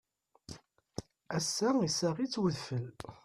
Ass-a, issaɣ-itt udfel.